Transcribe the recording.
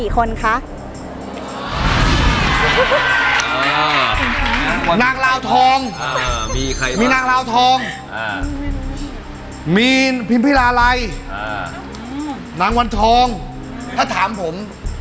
มีไอ้คนคะเงียบน้ำวันทองมีนางลาวทองมีพรีมพิระรายนางวันทองถ้าถามผม